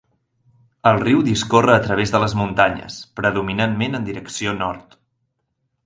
El riu discorre a través de les muntanyes, predominantment en direcció nord.